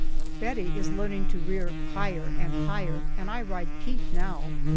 Bettie is learning to rear higher and higher, and I ride Pete now.